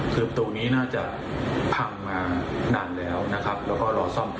คือตรงนี้น่าจะพังมานานแล้วนะครับแล้วก็รอซ่อม